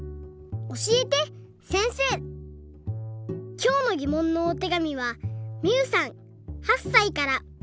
きょうのぎもんのおてがみはみゆさん８さいから。